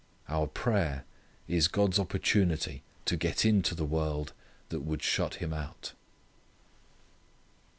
Our prayer is God's opportunity to get into the world that would shut Him out.